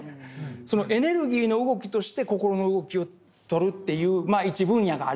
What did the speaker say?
そのエネルギーの動きとして心の動きをとるというまあ一分野があるんですよ。